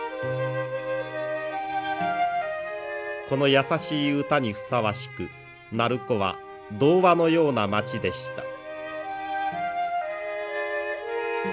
この優しい詩にふさわしく鳴子は童話のような町でした。